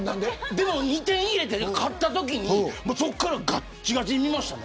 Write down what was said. でも、２点入れて勝ったときにそこからがっちがちに見ました。